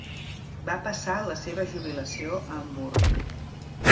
Va passar la seva jubilació a Hamburg.